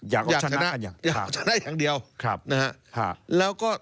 อยากชนะอย่างเดียวแล้วก็